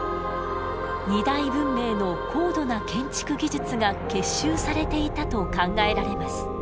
二大文明の高度な建築技術が結集されていたと考えられます。